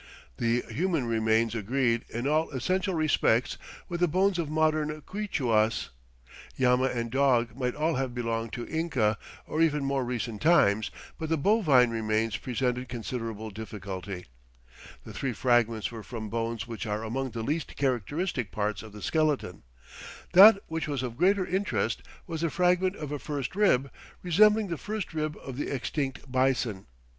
The human remains agreed "in all essential respects" with the bones of modern Quichuas. Llama and dog might all have belonged to Inca, or even more recent times, but the bovine remains presented considerable difficulty. The three fragments were from bones which "are among the least characteristic parts of the skeleton." That which was of greatest interest was the fragment of a first rib, resembling the first rib of the extinct bison.